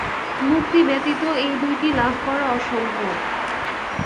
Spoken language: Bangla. মুক্তি ব্যতীত এই দুইটি লাভ করা অসম্ভব।